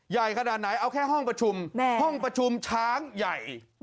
ใหญ่ขนาดไหนเอาแค่ห้องประชุมห้องประชุมช้างใหญ่